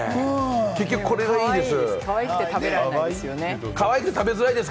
結局これがいいです。